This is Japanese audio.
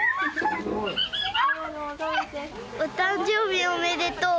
すごい！お誕生日おめでとう。